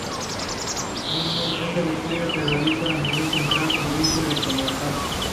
Este despliegue se realiza a nivel central, provincial y comarcal.